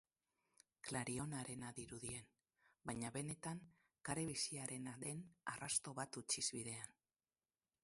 Klarionarena dirudien, baina benetan kare biziarena den arrasto bat utziz bidean.